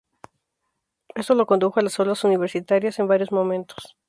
Esto lo condujo a las aulas universitarias en varios momentos.